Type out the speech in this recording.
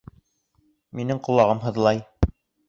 Минең ҡолағым һыҙлай